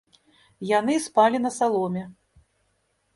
Яны спалі на саломе.